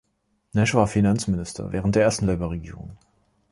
Nash war Finanzminister während der ersten Labour-Regierung.